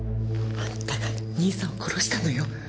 あんたが兄さんを殺したのよ。